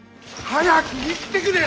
早く言ってくれ！